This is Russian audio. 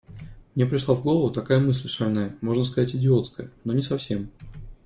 Мне пришла в голову такая мысль шальная, можно сказать, идиотская, но не совсем.